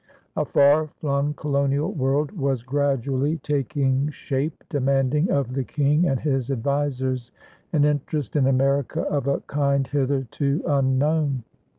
A far flung colonial world was gradually taking shape, demanding of the King and his advisers an interest in America of a kind hitherto unknown.